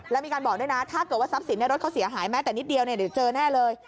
แล้วมีการบอกด้วยนะถ้าเกิดว่าทรัพย์สินในรถเขาเสียหายแม้แต่นิดเดียวเนี่ยเดี๋ยวเจอแน่เลย